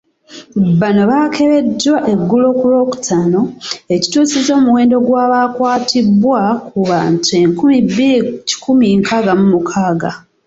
Bano baakebeddwa eggulo ku Lwokutaano, ekituusizza omuwendo gw’abakakwatibwa ku bantu enkumi bbiri kikumi nkaaga mu mukaaga.